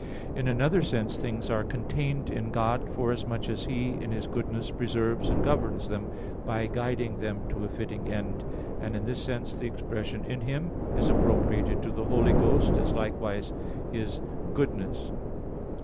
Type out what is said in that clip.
In another sense things are contained in God forasmuch as He in His goodness preserves and governs them, by guiding them to a fitting end; and in this sense the expression "in Him" is appropriated to the Holy Ghost, as likewise is "goodness."